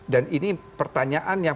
dan ini pertanyaan yang